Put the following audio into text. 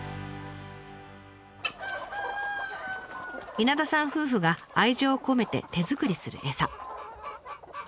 稲田さん夫婦が愛情を込めて手作りする餌。